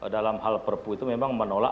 dalam hal perpu itu memang menolak